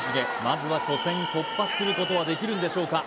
まずは初戦突破することはできるんでしょうか？